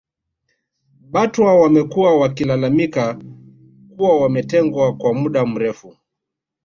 Batwa wamekuwa wakilalamika kuwa wametengwa kwa muda mrefu